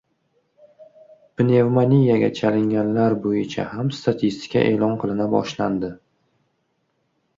Pnevmoniyaga chalinganlar bo‘yicha ham statistika e’lon qilina boshlandi